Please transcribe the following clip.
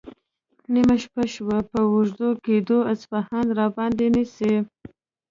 نیمه شپه شوه، په وږو ګېډو اصفهان راباندې نیسي؟